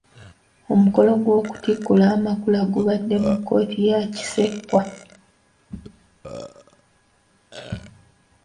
Omukolo gw'okutikkula amakula gubadde mu kkooti ya Kisekwa.